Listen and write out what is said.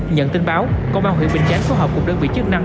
nhận tin báo công an huyện bình chánh phối hợp cùng đơn vị chức năng